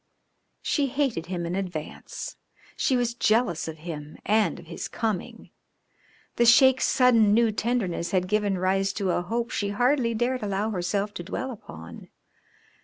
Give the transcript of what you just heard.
She hated him in advance; she was jealous of him and of his coming. The Sheik's sudden new tenderness had given rise to a hope she hardly dared allow herself to dwell upon.